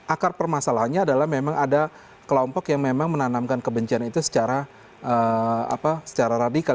akar permasalahannya adalah memang ada kelompok yang memang menanamkan kebencian itu secara radikal